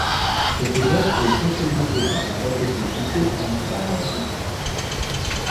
Cette nef est contrebutée par des bas-côtés voutés en quart de cercle.